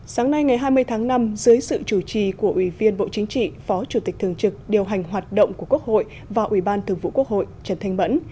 sáng nay ngày hai mươi tháng năm dưới sự chủ trì của ủy viên bộ chính trị phó chủ tịch thường trực điều hành hoạt động của quốc hội và ủy ban thường vụ quốc hội trần thanh mẫn